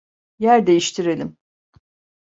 Yer değiştirelim.